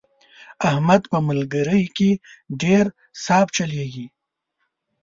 احمد په ملګرۍ کې ډېر صاف چلېږي.